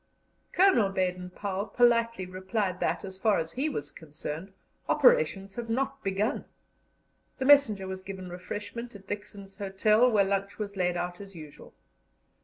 Colonel Baden Powell politely replied that, as far as he was concerned, operations had not begun. The messenger was given refreshment at Dixon's Hotel, where lunch was laid out as usual.